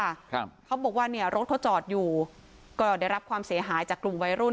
ครับเขาบอกว่าเนี่ยรถเขาจอดอยู่ก็ได้รับความเสียหายจากกลุ่มวัยรุ่น